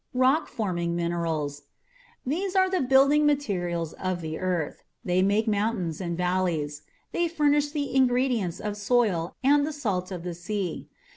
ROCK FORMING MINERALS. These are the building materials of the earth. They make mountains and valleys. They furnish the ingredients of soil and the salt of the sea.